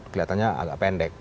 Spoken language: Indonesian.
kelihatannya agak pendek